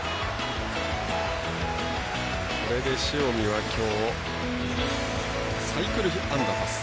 これで塩見は、きょうサイクル安打達成。